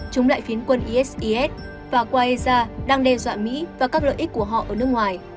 chống lại phiến quân isis và quaeza đang đe dọa mỹ và các lợi ích của họ ở nước ngoài